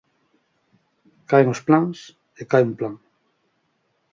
Caen os plans e cae un plan.